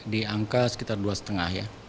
di angka sekitar dua lima ya